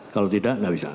kalau tidak tidak bisa